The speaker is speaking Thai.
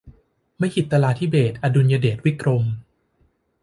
มหิตลาธิเบศรอดุลยเดชวิกรม